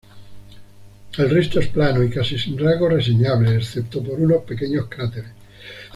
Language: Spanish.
El resto es plano y casi sin rasgos reseñables, excepto por unos pequeños cráteres.